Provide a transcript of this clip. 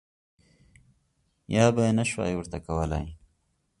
یا به یې نه شوای ورته کولای.